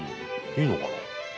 いいのかな？